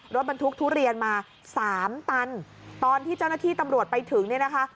รถบรรทุกทุเรียนมาสามตันตอนที่เจ้าหน้าที่ตำรวจไปถึงเนี่ยนะคะ